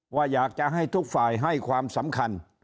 ว่าอยากจะให้ทุกฝ่ายให้ความสำคัญ